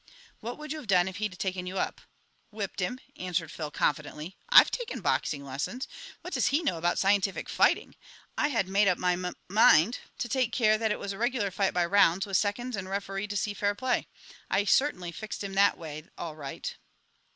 "What would you have done if he'd taken you up?" "Whipped him," answered Phil confidently. "I've taken boxing lessons. What does he know about scientific fighting? I had made up my mum mind to take care that it was a regular fight by rounds, with seconds and a referee to see fair play. I'd certainly fixed him that way, all right."